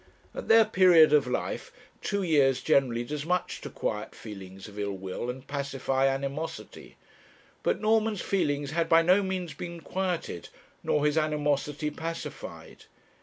At their period of life, two years generally does much to quiet feelings of ill will and pacify animosity; but Norman's feelings had by no means been quieted, nor his animosity pacified.